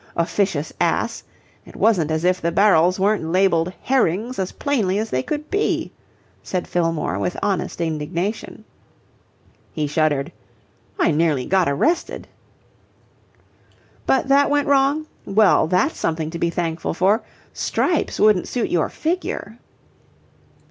Officious ass! It wasn't as if the barrels weren't labelled 'Herrings' as plainly as they could be," said Fillmore with honest indignation. He shuddered. "I nearly got arrested." "But that went wrong? Well, that's something to be thankful for. Stripes wouldn't suit your figure."